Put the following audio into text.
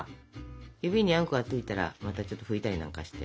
指にあんこがついたらまたちょっと拭いたりなんかして。